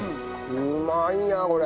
うまいなこれ。